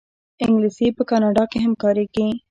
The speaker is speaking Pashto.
انګلیسي په کاناډا کې هم کارېږي